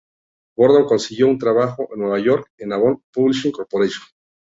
Gordon consiguió un trabajo en Nueva York en Avon Publishing Co.